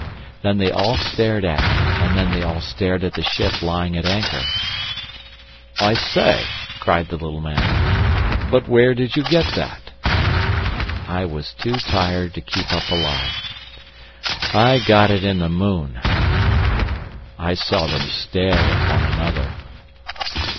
Then they all stared at me, and then they all stared at the ship lying at anchor. "I say!" cried the little man. "But where did you get that?" I was too tired to keep up a lie. "I got it in the moon." I saw them stare at one another.